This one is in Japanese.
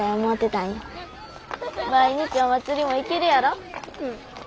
毎日お祭りも行けるやろ？